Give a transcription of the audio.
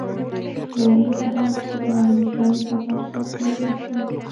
شوروي اتحاد د ټکنالوژۍ په برخه کې وروسته و.